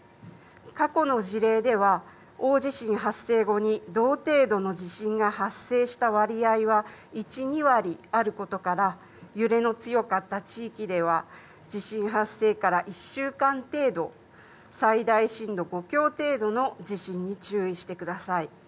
過去の事例では、大地震発生後に同程度の地震が発生した割合は、１、２割あることから、揺れの強かった地域では、地震発生から１週間程度、最大震度５強程度の地震に注意してください。